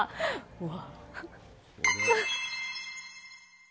うわ！